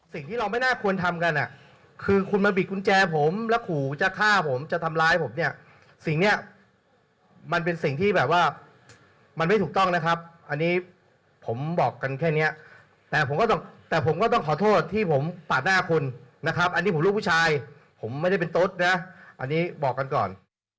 สิ่งที่เราไม่น่าควรทำกันอ่ะคือคุณมาบิดกุญแจผมแล้วขู่จะฆ่าผมจะทำร้ายผมเนี่ยสิ่งเนี้ยมันเป็นสิ่งที่แบบว่ามันไม่ถูกต้องนะครับอันนี้ผมบอกกันแค่เนี้ยแต่ผมก็ต้องแต่ผมก็ต้องขอโทษที่ผมปาดหน้าคุณนะครับอันนี้ผมลูกผู้ชายผมไม่ได้เป็นตุ๊ดนะอันนี้บอกกันก่อน